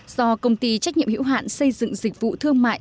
do công ty trách nhiệm hữu hạn xây dựng dịch vụ thương mại